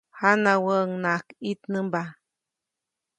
Janawäʼuŋnaʼajk ʼitnämba.